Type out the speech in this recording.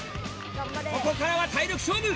ここからは体力勝負！